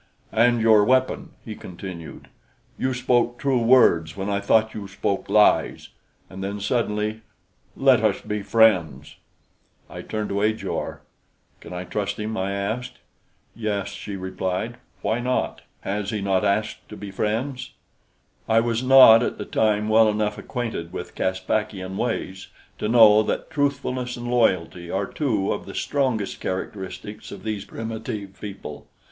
"And your weapon!" he continued. "You spoke true words when I thought you spoke lies." And then, suddenly: "Let us be friends!" I turned to Ajor. "Can I trust him?" I asked. "Yes," she replied. "Why not? Has he not asked to be friends?" I was not at the time well enough acquainted with Caspakian ways to know that truthfulness and loyalty are two of the strongest characteristics of these primitive people.